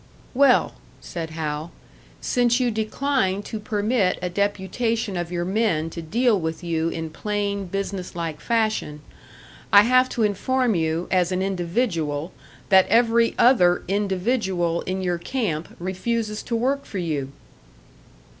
"Well," said Hal, "since you decline to permit a deputation of your men to deal with you in plain, business like fashion, I have to inform you as an individual that every other individual in your camp refuses to work for you."